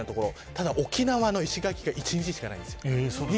ただ沖縄の石垣島が１日しかないんです。